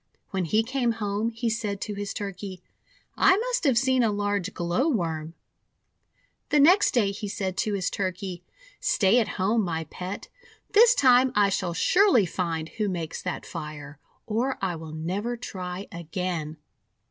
When he came home he said to his Turkey: — :'I must have seen a large Glow worm!' The next day he said to his Turkey :— "Stay at home, my Pet. This time I shall surely find who makes that fire, or I will never try again!'